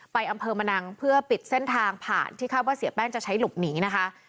อำเภอมะนังเพื่อปิดเส้นทางผ่านที่คาดว่าเสียแป้งจะใช้หลบหนีนะคะ